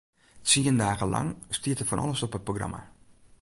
Tsien dagen lang stiet der fan alles op it programma.